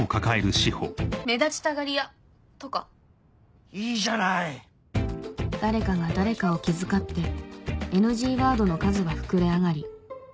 「目立ちたがり屋」とかいいじゃない誰かが誰かを気遣ってＮＧワードの数は膨れ上がり